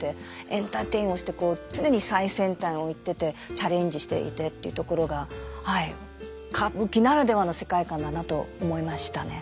エンターテインメントもして常に最先端を行っててチャレンジしていてっていうところが歌舞伎ならではの世界観だなと思いましたね。